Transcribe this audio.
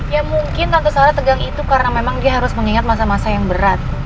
ya mungkin tante suara tegang itu karena memang dia harus mengingat masa masa yang berat